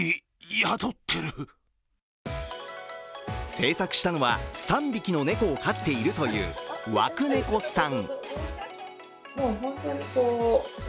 制作したのは、３匹の猫を飼っているという、わくねこさん。